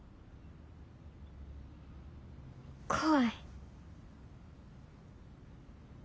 怖い。